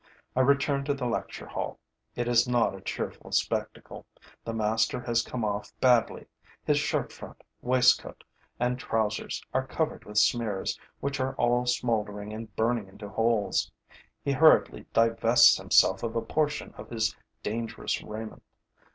I return to the lecture hall. It is not a cheerful spectacle. The master has come off badly: his shirtfront, waistcoat and trousers are covered with smears, which are all smoldering and burning into holes. He hurriedly divests himself of a portion of his dangerous raiment.